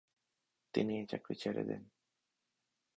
তিনি এ চাকরি ছেড়ে দেন।